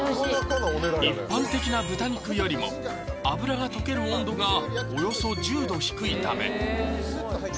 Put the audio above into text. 一般的な豚肉よりも脂が溶ける温度がおよそ１０℃